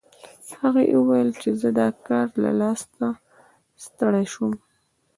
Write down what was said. هغې وویل چې زه د کار له لاسه ستړې شوم